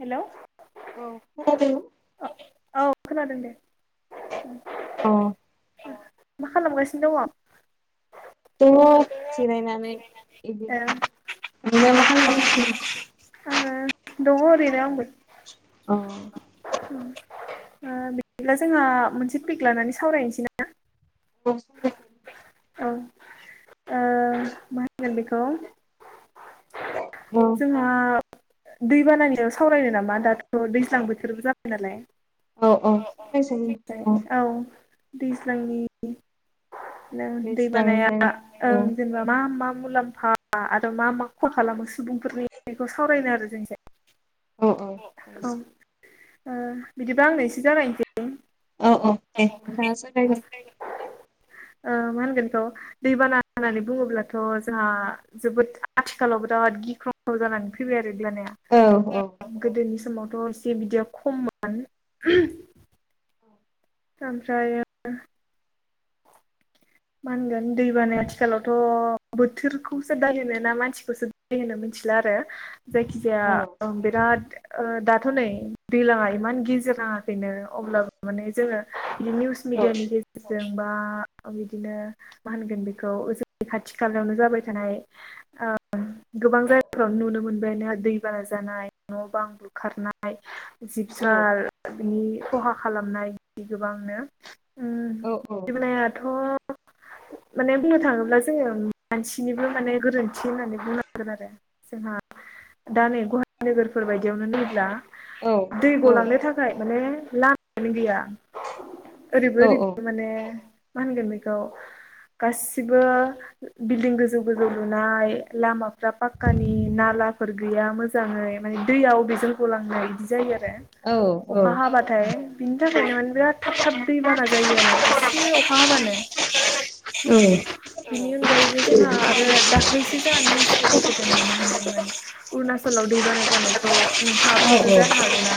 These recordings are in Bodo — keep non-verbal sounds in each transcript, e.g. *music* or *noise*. हेल'। औ खोनादों? औ खोनादों दे उम। अ। मा खालामगासिनो दङ? दङ जिरायनानै ए इदिनो। औ आङो दङ ओरैनो आंबो। अ। ओ बिदिब्ला जोंहा मोनसे पिक लानानै सावरायनोसै नामा? *unintelligible* ओं ओ। मा होनगोन बेखौ अ औ जोंहा। दै बानानियाव सावरायनो नामा दाथ' दैज्लां बोथोर जाबाय नालाय। औ औऔ सावरायजायो *unintelligible* औ दैज्लांनि ओं दैबानाया दैज्लांजों औ ओं जेनेबा मा मा। मुलाम्फा आरो मा मा खहा खालामो सुबुंफोरनि बेखौ सावरायनो आरो जों एसे। औ औ औ ओ बिदिबा आंनो एसे जागायनोसै। अ अ दे नोंथाङा जागायग्रो। ओ मा होनगोन बेखौ दैबाना होननानै बुङोब्लाथ' जोंहा जोबोद आथिखालाव बिराद। गिख्रंथाव जानानै फैबाय आरो औ औ दैबानाया गोदोनि समाव। दसे बिदिया खम *unintelligible* ओमफ्रायो। मा होनगोन दैबानाया आथिखालावथ' बोथोरखौसो दाय होनो ना मानसिखौसो दाय होनो मिथि। थिला आरो जायखि जाया औ ओ बिराद। ओ दाथ' नै दैलाङा इमान गिजेर नाङाखैनो अब्लाबो माने जोङो बे निउस औ मिडियानि गेजेरजों बा बि बिदिनो मा होनगोन बेखौ जोंनि खाथि खालायावनो जाबाय थानाय ओ गोबां जायगाफ्राव नुनो मोनबायनो आरो दैबाना जानाय न' बां बुखारनाय जिब औ जुनार बिनि खहा खालामनाय गोबांनो ओ औ *unintelligible* नाया थ' माने बुंनो थाङोब्ला जोङो मानसिनिबो माने गोरोन्थि होननानै बुंनांगोन आरो जोंहा दा नै गुवाहाटि नोगोरफोर बायदियावनो नायोब्ला औ दै गलांनो थाखाय माने लामायानो गैया ओरैबो औ ओरैबो माने मा होनगोन बे *unintelligible* गासिबो बिल्डिं गोजौ गोजौ लुनाय लामा पाक्कानि नालाफोर गैया मोजाङै माने दैया अबेजों गलांनाय बिदि जायो आरो। अखा हाबाथाय बिनि थाखायनो माने बिराद थाब थाब दैबाना जायो आरो एसे अखा हाबानो औ बेनि अनगायैबो जोंहा आरो दा *unintelligible* जा निउसनि गेजेरजों नुनो मोन्दोंमोन उरुणाचलाव दैबाना जानायखौ नोंथाङा नुदो जानो हागौना?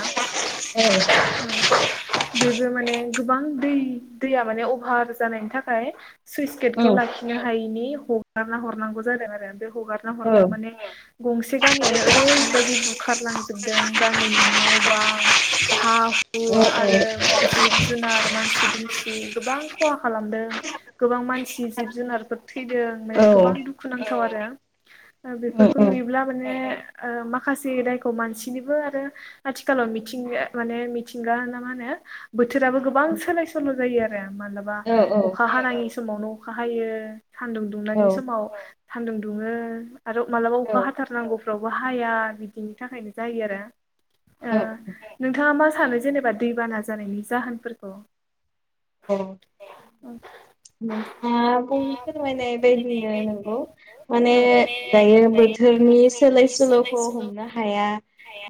औ। जो जो माने गोबां दै दैया माने अभार जानायनि थाखाय सुइस गेटखौ लाखिनो हायिनि हगारना हरनांगौ जादों आरो बेख हगारना हरनायाव माने औ *unintelligible* गंसे गामियानो ओरैबायदि बुखारलांजोबदों गामिनि न' न'बां हा हु आरो जिब- जुनार मानसि दुमसि गोबां खहा खालामदों गोबां मानसि जिब- जुनारफोर थैदो ओमफाय गोबां दुखुुनां थाव आरो ओ बेफोरखौ नुयोब्ला माने ओ माखासे दायखौ मानसिनिबो आरो आथिखालाव मिथिंगाया माने मिथिंगा ना मा होनो ओ बोथोराबो गोबां सोलाय सोल' जायो आरो मालाबा नाङि समावनो अखा हायो सान्दुं दुंनाङि औ समाव सान्दुं दुङो आरो मालाबा औ अखा हाथारनांगौफ्रावबो हाया बिदिनि थाखायनो जायो आरो। ओ औ नोंथाङा मा सानो जेनेबा दैबाना जानायनि जाहोनफोरखौ? ओ नोंथाङा बुंनो फोरमायनाय बायदिनो नोंगौ माने दायो बोद थोरनि सोलाय सोल'खौ हमनो हाया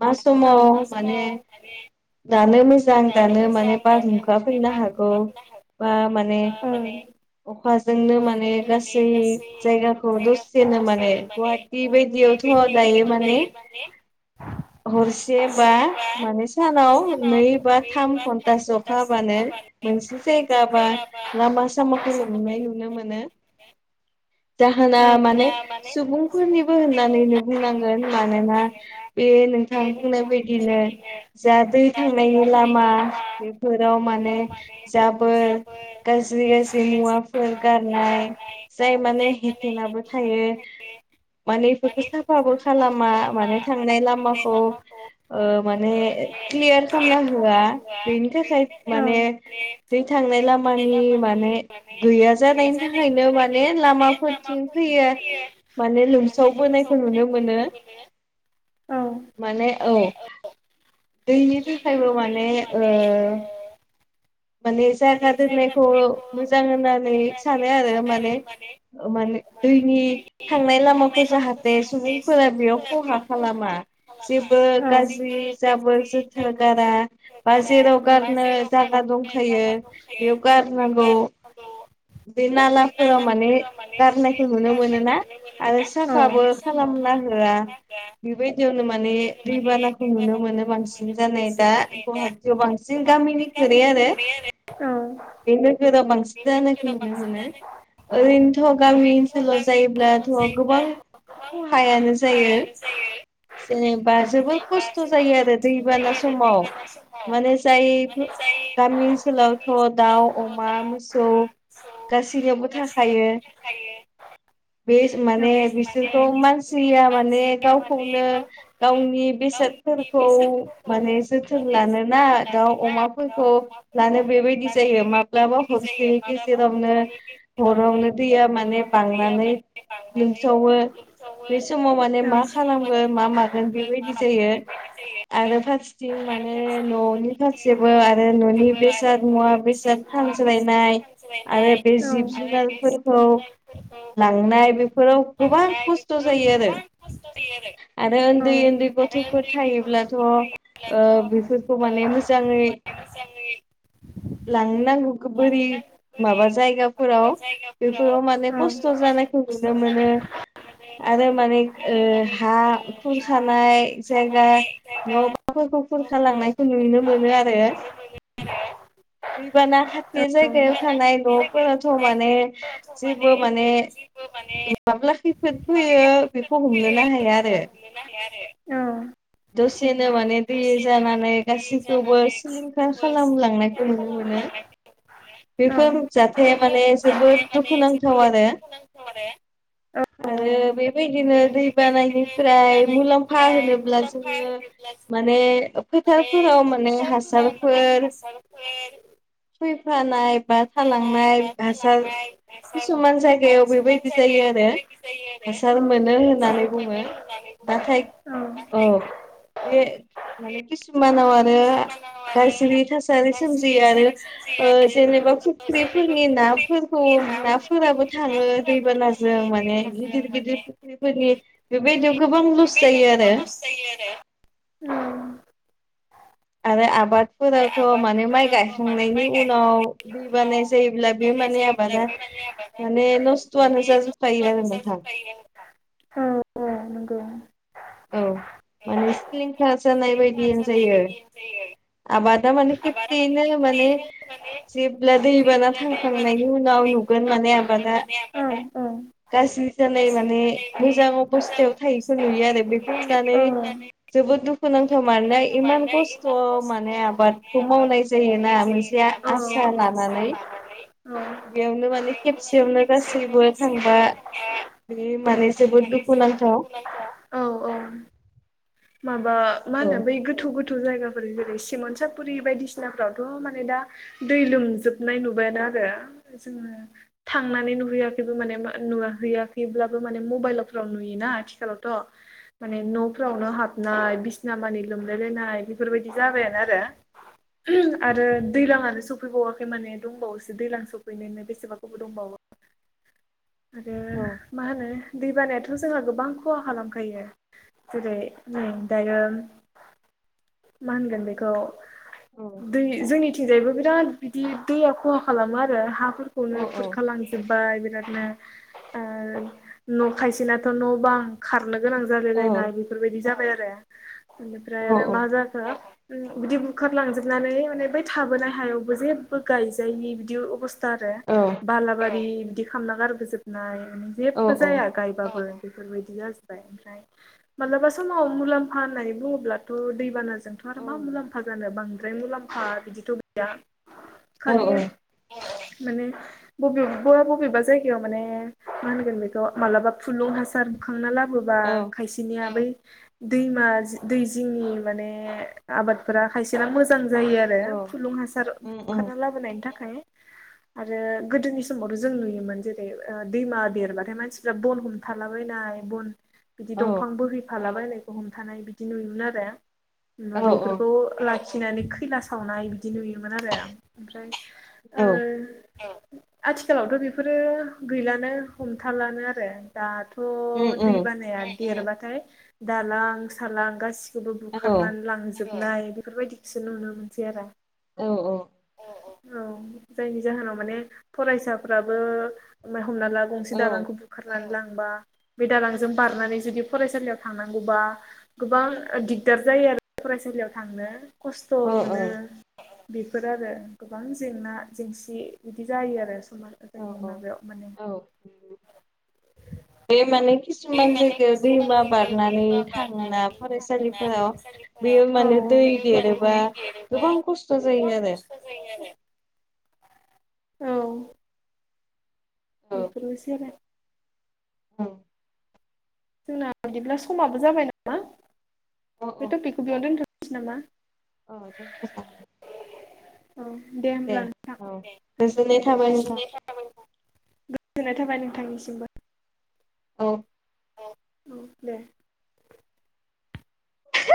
मा समाव माने दानो मोज जां दानो माने बारहुंखा फैनो हागौ बा माने अखाजोंनो माने गासै जायगाखौ दसेनो माने गुवाहाटि बायद *unintelligible* दायो माने हरसे बा माने सानाव नै बे बा थाम घन्टासो अखा हाबानो मोनसे जायगा बा लामा सामाख खौ लोमनाय नुनो मोनो। *unintelligible* जाहोना माने सुबुंफोरनिबो होननानैनो बुंनांगोन मानोना बे नोंथां बुंनाय बायदिनो जा दै थां *unintelligible* लामा बेफोराव माने जाबोर गाज्रि गाज *unintelligible* मुवाफोर गारनाय जायो माने हेथेनाबो थायो माने इफोरखो साफाबो खालामा माने थांनाय लामाखौ ओ‌ माने क्लियार खामना हो होआ बेनि थाखाय माने औ दै थांनाय लामानि माने गैया जानायनि थाखायनो माने लामाफोरथिं फैयो माने लोमसावबो नायखौ नुनो मोनो औ माने औ दैनि थाखायबो खौ‌ माने ओ माने जारना दोननायखौ मोजां होननानै सानो आरो माने ओ माने दैनि थांनाय लामाखौ जाहाते सुबुंफोरा बेयाव खहा खालामा जेबो गाज्रि जाबोर जाथोर गारा बा जेराव गारनो जागा दंखाय यो बेयाव गारनांगौ *unintelligible* बे नालाफोराव माने गारनायखौ नुनोना आरो साफाबो खालाम ना होआ बेबायदियावनो माने दैबानाखौ नुनो मोनो बांसिन जानाय दा गुवाहाटियाव बांसिन गामिनि खोरै आरो बे नोगोराव बां सिन जानायखौ नुनो मोनो। ओरैनोथ' गामि ओनसोलाव जायोब्लाथ' गोबां खहायानो जायो। जेनेबा जोबोर खस्थ' जायो आरो दैबाना समाव माने जायफो गामि ओनसोलावथ' दाउ अमा मोसौ गासैनियावबो थाखायो बेस माने बिसोरखौ मानसिया माने गावखौनो गावनि बेसा साद फोरखौ माने जोथोन लानोना दाउ अमाफोरखौ लानो बेबायद दि जायो माब्लाबा बिनि गेजेरावनो हरावनो दैया माने बांनानै लोमसावो बे समाव माने मा खालामगोन मा मागोन बेबायदि जायो आरो थिं माने न'नि फारसेबो आरो न'नि बेसाद मुवा बेसाद फानग्राया नाय आरो बे जिब जुनारफोरखौ लांनाय बेफोराव गोबां खस्थ जायो आरो आरो उन्दै उन्दै उन्दै बेफोराव गथफोर थायोब्लाथ बेफोरखौ माने मोजांङै *unintelligible* लोंनांगो खो बोरि माबा जायगाफोराव बेफोराव माने खस्थ' जानायखौ नुनो मोनो *unintelligible* आरो माने ओ हा खुरखानाय जायगा न'फोर खुरखा लांनायखौ नुनो मोनो आरो *unintelligible* *unintelligible* साखाथि मोनो जायगायाव थानाय न'फोराथ माने जेबो माने नाथाय माब्ला खैफोद फैयो बेखौ हमनोना हाया आरो दसेनो माने दै जानानै गासैखौबो सिलिंखार खालामलांनायखौ नुनो मोनो बेफोर जाथाया माने जोबोद दुखुनांथाव आरो खौ माने आरो बेबायदिनो दै बानानिफ्राय मुलाम्फा होनोब्ला जोंङो माने हासारफोर *inaudible* फैफानाय बा थालांनाय हासार किसुमान जायगायाव बेबायदि जायो। आरो हासार मोनो होननानै बुंङो नाथाय औ बे माने किसुमानाव आरो गाज्रि थासारि सोमजियो आरो ओ जेनेबा फुख्रिफोरनि नाफोरखौ नाफोराबो थांङो दैबानाजों माने गिदिर गिदिर फुख्रिफोरनि बेबायदियाव गोबां लस जायो आरो *inaudible* आरो आब आबादफोरावथ' माने माइ गायखांनायनि उनाव दै बानाया जायोब्ला बे माने आबादा माने नस्थआनो जाजोब खायो आरो नोंथां औ औ नोंगौ औ माने सिलिंखार जानाय बायदियानो जायो। आबादा माने खेबसेयैनो माने जेब्ला दैबाना थांखांनायनि उनावनो नुगोन माने आबादा गाज्रि जानाय माने मोजां अबस्थायाव थायैखौ नुयो आरो बेखौ होननानै जोबोद दुखुनांथाव मानोना इमान खस्थ माने आबादखौ मावनाय जायोना मोनसे आसा लानानै बेयावनो माने खेबसेयावनो गासैबो थांबा बे माने जोबोद दुखुुनांथाव अ माबा मा होनो औ बै गोथौ गोथौ जायगा जेरै सिमोनसापुरि बायदिसिनाफ्रावथ' माने दा दै लोमजोबनाय नुबायानो आरो जोंङो थांनानै नुहैयाखैबो माने नुवाहैयाखैब्लाबो माने मबाइलफ्राव नुयो दा आथिखालावथ' माने न'फ्रावनो हाबनाय बिसिना मानि लोमलायलायनाय बेफोरबायदि जाबायानो आरो उमह आरो दैलांङानो सफैबावाखै माने दंबावोसो दैलां सफैनोनो बेसेबा गोबाव दंबावो। *inaudible* आरो औ मा होनो दैबानायाथ जोंहा गोबां खहा खालामखायो जेरै ओ दायो मा होनगोन बेखौ दै जोंनि थिंजायबो बिराद बिदि दैया खहा खालामो आरो हा औ फोरखौनो खुरखालांजोबबाय बिरादनो ओ न' खायसेनाथ' न'बां खारला गोनां औ जालायलायनाय बेफोरबायदि जाबाय आरो बेनिफ्राय औ आरो मा जा उम बिदि बुखारलांजोबनानै माने बै थाबोनाय हायावबो जेबो गायजायि बिदि अबस्था था औ आरो बालाबारि बिदि खालामना गारबोजोबनाय औ जेबबो औ जाया गायबाबो बेफोरबायदि जाजोबबाय ओमफ्राय मालाबा समाव मुलाम्फा होननानै बुंङोब्लाथ' दैबाना जों दाथ' आरो मा मुलाम्फा जानो बांद्राय मुलाम्फा बिदिथ' गैया औ खालि माने बबेबा बबेबा जायगायाव माने मा होनगोन बेखौ मालाबा फुलुं हासार बुखांना लाबोबा औ खायसेनिया बै दैमा जि दै जिंनि माने ओ आबादफोरा खायसेना मोजां जायो आरो फुलुं हासार बुखारना लाबोनायनि थाखाय आरो गोदोनि समावथ' जों नुयोमोन जेरै ओ दैमा देरबाथाय मानसिफ्रा बन हमथालाबायना नाय बन बिदि दंफां बोहैफाला बायनायखौ हमथानाय बिदि नुयोमोन आरो होमबा औ औ बेफोरखौ लाखिनानै खैला सावनाय बिदि नुयोमोन आरो आं ओमफ्राय ओ औ आथिखालावथ' बेफोरो गैलानो हमथालानो आरो दाथ' उम थ' दै उम बानाया देरबाथाय दालां सालां गासिखौबो औ बुखारनानै लांजोबनाय बेफोरबायदिखौसो नुनो मोनसै आरो औ औ औ जायनि जाहोनाव माने फरायसाफ्राबो मा हमना ला गंसे औ दालांखौ बुखारनानै लां बा बे दालांजों बारनानै जुदि फरायसालियाव थांनांगौबा गोबां‌ दि दार जायो आरो फरायसालियाव थांनो खस्थ' औ मोनो। बेफोर आरो गोबां जेंना जेंसि बिदि जायो आरो। *unintelligible* मार औ गोदोंनि औ माबायाव माने। औ बे माने किसुमान जायगायाव दैमा बारनानै थाङोना फरायसालि फोराव बेयो माने दै देरोबा गोबां खस्थ' जायो आरो। औ औ बिफोरबो *unintelligible* औ जोंना बिदिब्ला समाबो जाबाय नामा औ बे औ टपिकखौ बेयावनो दोनथ' नोसै‌ नामा औ दोन्थ' जागोन औ दे होमब्ला औ नोंथां गोजोननाय *unintelligible* थाबाय नोंथां गोजोननाय थाबाय नोंथांनिसिमबो। औ औ दे